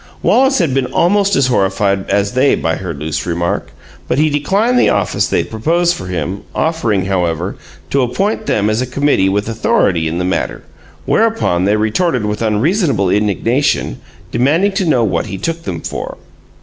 Wallace had been almost as horrified as they by her loose remark, but he declined the office they proposed for him, offering, however, to appoint them as a committee with authority in the matter whereupon they retorted with unreasonable indignation, demanding to know what he took them for.